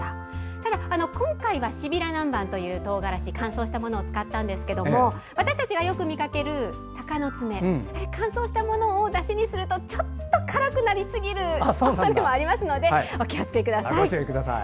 ただ、今回は芝平なんばんというトウガラシ乾燥したものを使ったんですが私たちがよく見かける鷹の爪乾燥したものをだしにすると、ちょっと辛くなりすぎることもあるのでお気をつけください。